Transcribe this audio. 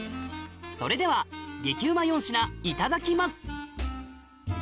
それでは激うま４品いただきます